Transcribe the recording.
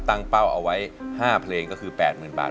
เป้าเอาไว้๕เพลงก็คือ๘๐๐๐บาท